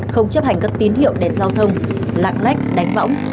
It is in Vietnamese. không chấp hành các tín hiệu đèn giao thông lạng lách đánh võng